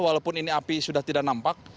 walaupun ini api sudah tidak nampak